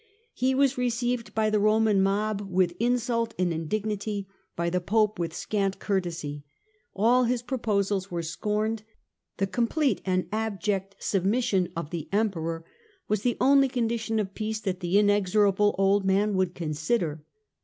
He was received by the Roman mob with insult and indignity, by the Pope with scant courtesy. All his proposals were scorned ; the complete and abject sub mission of the Emperor was the only condition of peace that the inexorable old man would consider.